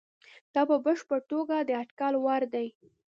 دا په بشپړه توګه د اټکل وړ دي.